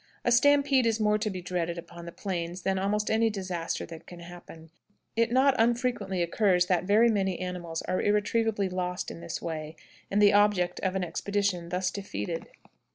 A "stampede" is more to be dreaded upon the plains than almost any disaster that can happen. It not unfrequently occurs that very many animals are irretrievably lost in this way, and the objects of an expedition thus defeated.